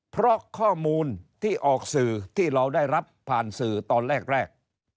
เพราะข้อมูลที่ออกสื่อที่เราได้รับผ่านสื่อตอนแรก